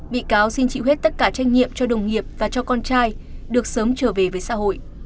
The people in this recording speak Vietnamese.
bị cáo xin chịu hết tất cả trách nhiệm cho đồng nghiệp và cho con trai được sớm trở về với xã hội